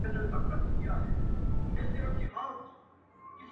زه مي د ميني په نيت وركړمه زړه~